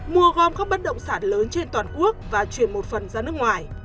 mua gom các bất động sản lớn trên toàn quốc và chuyển một phần ra nước ngoài